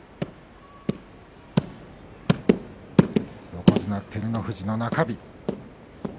横綱照ノ富士の中日。